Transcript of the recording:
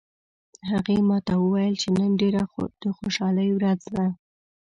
هغې ما ته وویل چې نن ډیره د خوشحالي ورځ ده